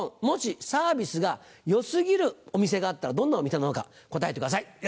もしサービスが良過ぎるお店があったらどんなお店なのか答えてください。